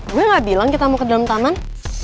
gue gak bilang kita mau ke dalam taman